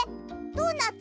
ドーナツ？